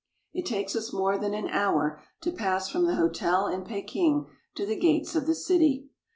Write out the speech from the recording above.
It takes us more than an hour to pass from the hotel in Peking to the gates of the city.